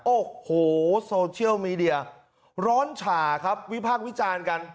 โอ้โหโซเชียลมีเดียร้อนฉ่าครับวิพากษ์วิจารณ์กัน